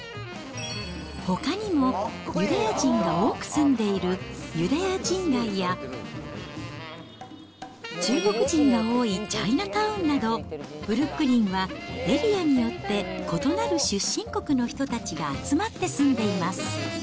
ほかにもユダヤ人が多く住んでいるユダヤ人街や、中国人が多いチャイナタウンなど、ブルックリンはエリアによって、異なる出身国の人たちが集まって住んでいます。